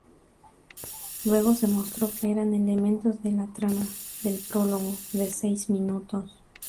Luego se mostró que eran elementos de la trama del prólogo de seis minutos.